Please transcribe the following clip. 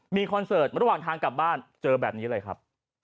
มีคอนเสิร์ตระหว่างทางกลับบ้านเจอแบบนี้เลยครับ